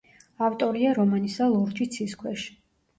ავტორია რომანისა „ლურჯი ცის ქვეშ“.